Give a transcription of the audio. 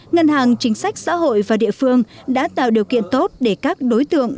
ngân hàng chính sách xã hội và địa phương đã tạo điều kiện tốt để các đối tượng